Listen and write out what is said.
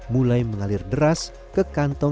mulai mengalir deras ke kantong